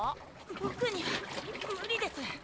僕には無理です